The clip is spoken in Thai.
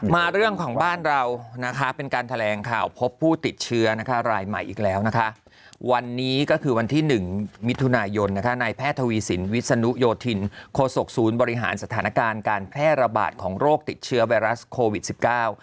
มาเรื่องของบ้านเรานะคะเป็นการแถลงข่าวพบผู้ติดเชื้อนะคะรายใหม่อีกแล้วนะคะ